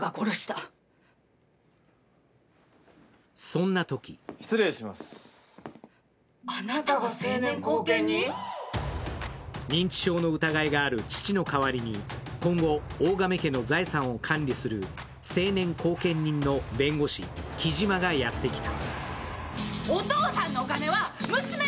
そんなとき認知症の疑いがある父の代わりに今後、大亀家の財産を管理する成年後見人の弁護士、城島がやってきた。